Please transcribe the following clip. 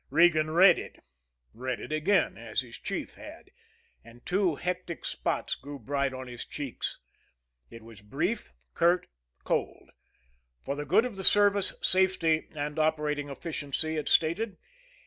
Regan read it read it again, as his chief had and two hectic spots grew bright on his cheeks. It was brief, curt, cold for the good of the service, safety, and operating efficiency, it stated.